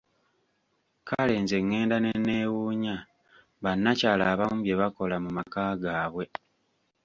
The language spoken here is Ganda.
Kale nze ngenda nenneewunya bannakyala abamu bye bakola mu maka gaabwe!